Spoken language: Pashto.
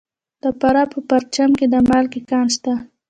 د فراه په پرچمن کې د مالګې کان شته.